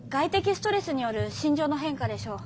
ストレスによる心情の変化でしょう。